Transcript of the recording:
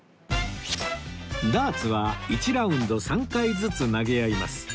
ダーツは１ラウンド３回ずつ投げ合います